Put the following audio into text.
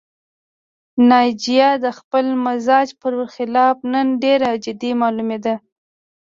ناجیه د خپل مزاج پر خلاف نن ډېره جدي معلومېده